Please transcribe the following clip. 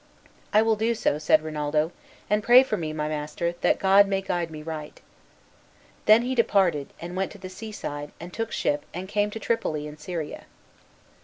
"I will do so," said Rinaldo, "and pray for me, my master, that God may guide me right." Then he departed, and went to the seaside, and took ship and came to Tripoli in Syria.